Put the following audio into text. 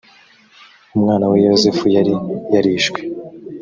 umwana we yozefu yari yarishwe.